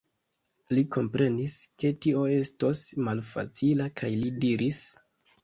Li komprenis, ke tio estos malfacila kaj li diris: